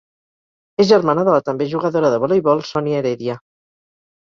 És germana de la també jugadora de voleibol Sonia Heredia.